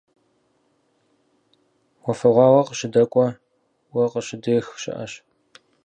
Уафэгъуагъуэ къыщыдэкӀуэ, уэ къыщыдех щыӀэщ.